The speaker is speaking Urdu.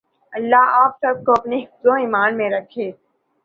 اللہ آپ سب کو اپنے حفظ و ایمان میں رکھے۔